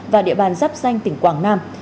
và địa bàn dắp danh tỉnh quảng nam